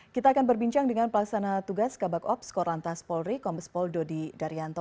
kita akan berbincang dengan pelaksana tugas kabak ops korantas polri kompas pol dodi daryanto